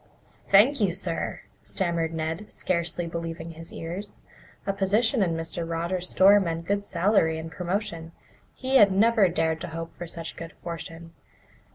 "Thank you, sir," stammered Ned, scarcely believing his ears. A position in Mr. Rogers's store meant good salary and promotion. He had never dared to hope for such good fortune.